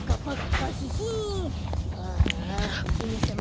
ああおひめさま